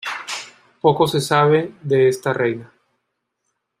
Poco se sabe de esta reina.